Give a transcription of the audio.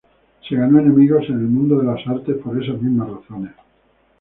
Se ganó enemigos en el mundo de las artes por esas mismas razones.